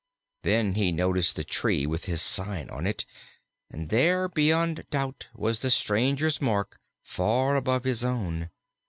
Then he noticed the tree with his sign on it, and there beyond doubt was the stranger's mark far above his own.